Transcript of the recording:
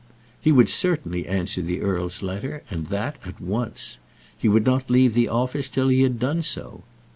He would certainly answer the earl's letter, and that at once. He would not leave the office till he had done so.